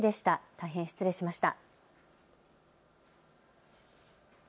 大変失礼しました。